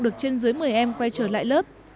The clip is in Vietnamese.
được trên dưới một mươi em quay trở lại lớp